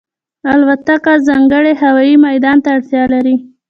الوتکه ځانګړی هوايي میدان ته اړتیا لري.